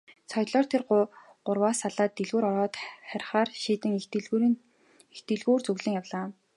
Соёлоо тэр гурваас салаад дэлгүүр ороод харихаар шийдэн их дэлгүүр зүглэн явлаа.